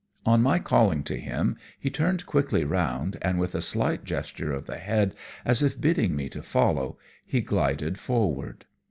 On my calling to him, he turned quickly round and, with a slight gesture of the head as if bidding me to follow, he glided forward.